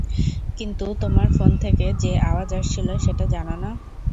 কিন্তু তোমার ফোন থেকে যে আওয়াজ আসছিল সেটা জানো না?